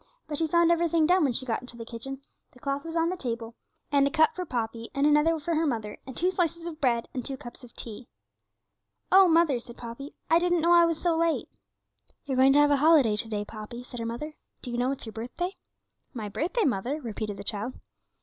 But she found everything done when she got into the kitchen, the cloth was on the table, and a cup for Poppy, and another for her mother, and two slices of bread, and two cups of tea. 'Oh, mother,' said Poppy, 'I didn't know I was so late.' 'You're going to have a holiday to day, Poppy,' said her mother; 'do you know it's your birthday?' 'My birthday, mother?' repeated the child.